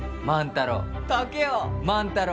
万太郎。